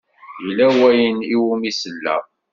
Yella wayen i wumi selleɣ.